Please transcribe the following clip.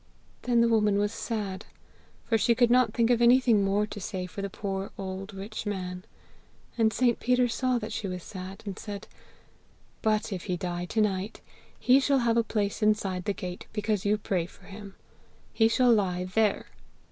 Then the woman was sad, for she could not think of anything more to say for the poor old rich man. And St. Peter saw that she was sad, and said, 'But if he die to night, he shall have a place inside the gate, because you pray for him. He shall lie there!'